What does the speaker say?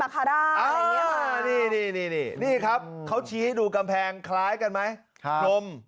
อ่านี่ครับเขาชี้ดูกันแพงคล้ายกันไหม